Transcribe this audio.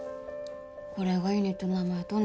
これがユニットの名前とね？